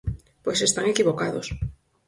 Pois están equivocados.